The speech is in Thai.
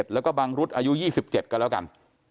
แล้วก็บังรุษอายุ๒๗กันแล้วกัน